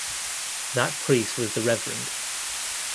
That priest was the Rev.